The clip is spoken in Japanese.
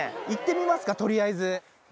行ってみますか、とりあえず。